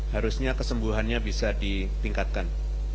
harusnya kesembuhannya bisa ditingkatkan